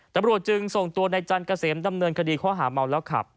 ตรับประโหลจึงส่งตัวนายจันกะเสมดำเนินคดีข้อหามัวแล้วขับ